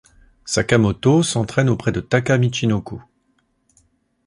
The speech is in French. Sakamoto s'entraîne auprès de Taka Michinoku.